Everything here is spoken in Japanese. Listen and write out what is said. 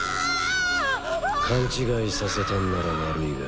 勘違いさせたんなら悪いが。